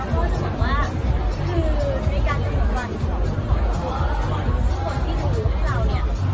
แล้วก็จะบอกว่าคือในการเตรียมสำคัญของทุกคนทุกคนที่ดูกับเราเนี่ย